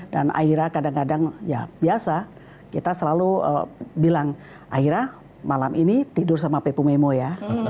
dan aira kadang kadang ya biasa kita selalu bilang aira malam ini tidur sama pepo memo ya